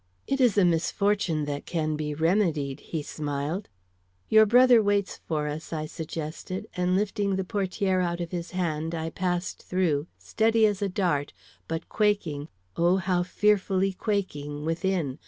"It is a misfortune that can be remedied," he smiled. "Your brother waits for us," I suggested, and, lifting the portiere out of his hand, I passed through, steady as a dart, but quaking, oh, how fearfully quaking within!